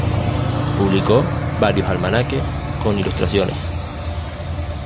Publicó varios almanaques con ilustraciones.